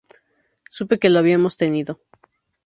Supe que lo habíamos tenido..."".